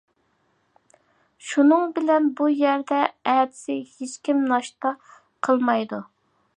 شۇنىڭ بىلەن بۇ يەردە ئەتىسى ھېچكىم ناشتا قىلمايدۇ.